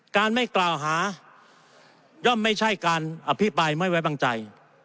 การไม่กล่าวหาย่อมไม่ใช่การอภิปรายไม่ไว้วางใจ